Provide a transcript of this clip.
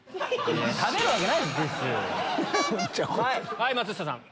はい松下さん。